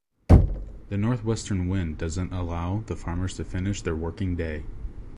The northwestern wind doesn’t allow the farmers to finish their working day.